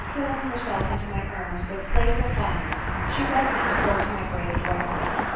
throwing herself into my arms with playful fondness, she begged me to go to my grave directly.